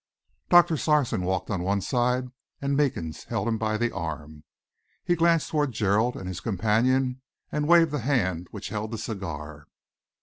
Doctor Sarson walked on one side, and Meekins held him by the arm. He glanced towards Gerald and his companion and waved the hand which held his cigar.